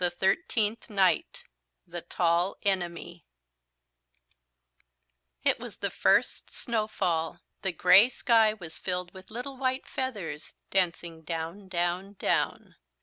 THIRTEENTH NIGHT THE TALL ENEMY It was the first snowfall. The grey sky was filled with little white feathers dancing down down down.